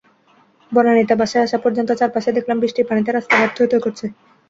বনানীতে বাসায় আসা পর্যন্ত চারপাশে দেখলাম বৃষ্টির পানিতে রাস্তাঘাট থইথই করছে।